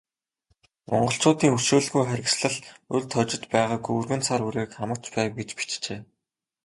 Монголчуудын өршөөлгүй харгислал урьд хожид байгаагүй өргөн цар хүрээг хамарч байв гэж бичжээ.